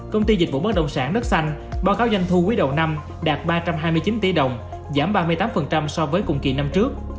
công ty dịch vụ bất động sản đất xanh báo cáo doanh thu quý đầu năm đạt ba trăm hai mươi chín tỷ đồng giảm ba mươi tám so với cùng kỳ năm trước